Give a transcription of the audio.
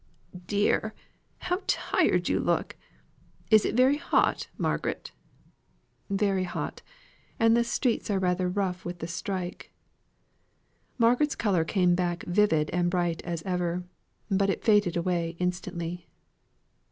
"Dear, how tired you look! Is it very hot, Margaret?" "Very hot, and the streets are rather rough with the strike." Margaret's colour came back vivid and bright as ever; but it faded away instantly.